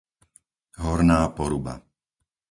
Horná Poruba